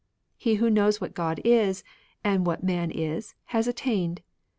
" He who knows what God is, and what Man is, has attained.